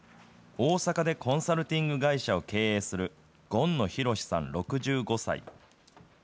大阪でコンサルティング会社を経営する、權野博さん６５歳。